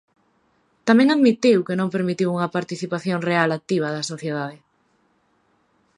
Tamén admitiu que non permitiu unha participación real activa da sociedade.